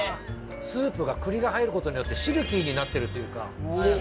スープが栗が入ることによってシルキーになってるというか。